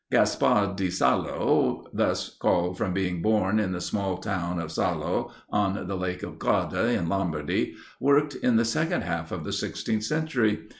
Gaspard di Salo, thus called from being born in the small town of Salo, on the lake of Garda, in Lombardy, worked in the second half of the sixteenth century.